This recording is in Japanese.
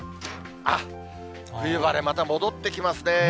あっ、冬晴れまた戻ってきますね。